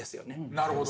なるほど。